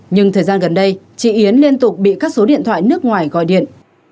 nhưng thời gian gần đây chị yến liên tục bị các số điện thoại nước ngoài gọi điện